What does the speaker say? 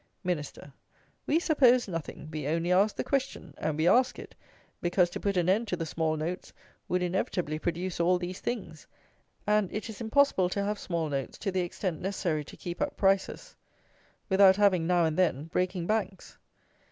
MIN. We suppose nothing. We only ask the question; and we ask it, because to put an end to the small notes would inevitably produce all these things; and it is impossible to have small notes to the extent necessary to keep up prices, without having, now and then, breaking banks.